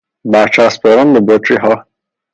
برچسب زدن به بطریها